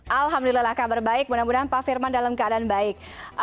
alhamdulillah kabar baik mudah mudahan pak firman dalam keadaan baik